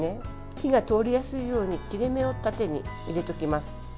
火が通りやすいように切れ目を縦に入れておきます。